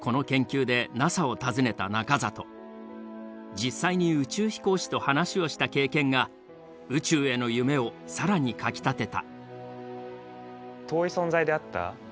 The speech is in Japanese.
実際に宇宙飛行士と話をした経験が宇宙への夢を更にかきたてた。